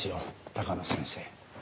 鷹野先生。